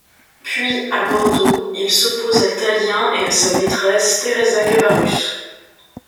Puis, à Bordeaux, il s'oppose à Tallien et à sa maîtresse, Thérésa Cabarrus.